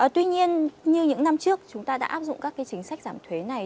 tuy nhiên như những năm trước chúng ta đã áp dụng các chính sách giảm thuế này